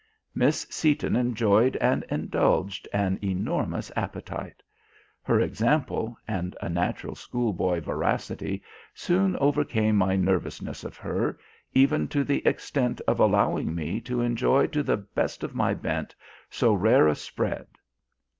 Miss Seaton enjoyed and indulged an enormous appetite. Her example and a natural schoolboy voracity soon overcame my nervousness of her, even to the extent of allowing me to enjoy to the best of my bent so rare a "spread."